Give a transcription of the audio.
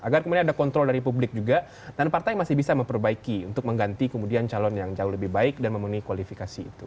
agar kemudian ada kontrol dari publik juga dan partai masih bisa memperbaiki untuk mengganti kemudian calon yang jauh lebih baik dan memenuhi kualifikasi itu